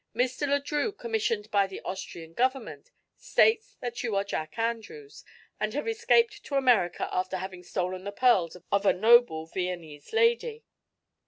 Mr. Le Drieux, commissioned by the Austrian government, states that you are Jack Andrews, and have escaped to America after having stolen the pearls of a noble Viennese lady.